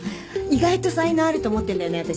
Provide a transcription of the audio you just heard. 意外と才能あると思ってんだよね私。